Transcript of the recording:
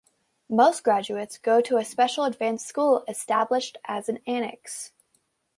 Most graduates go to a special advanced school established as an annex.